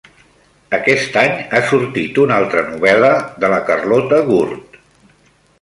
Aquest any ha sortit una altra novel·la de la Carlota Gurt.